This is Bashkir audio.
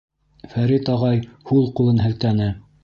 Фәрит ағай һул ҡулын һелтәне: